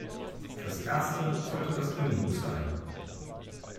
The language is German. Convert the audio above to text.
Fürs Erste sollte das genug sein.